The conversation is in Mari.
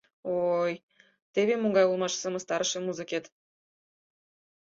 — Ой-й, теве могай улмаш сымыстарыше музыкет!